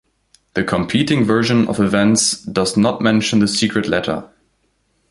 The competing version of events does not mention the secret letter.